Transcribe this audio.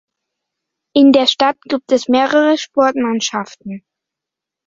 In der Stadt gibt es mehrere Sportmannschaften.